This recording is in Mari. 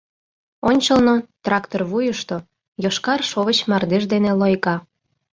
Ончылно, трактор вуйышто, йошкар шовыч мардеж дене лойга.